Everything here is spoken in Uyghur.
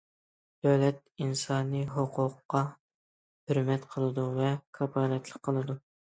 دۆلەت ئىنسانىي ھوقۇققا ھۆرمەت قىلىدۇ ۋە كاپالەتلىك قىلىدۇ.